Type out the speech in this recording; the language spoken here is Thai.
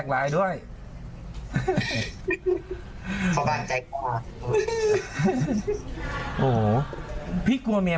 ผมก็ไม่เห็นกับว่าแฟนมาตอนไหนไง